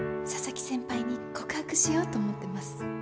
佐々木先輩に告白しようと思ってます。